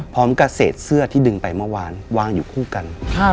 พร้อมกับเศษเสื้อที่ดึงไปเมื่อวานวางอยู่คู่กัน